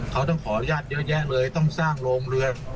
เขาต้องขออนุญาตเยอะแยะเลยต้องสร้างโรงเรือ